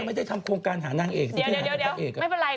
ไม่เป็นไรคนอื่นอาจจะมี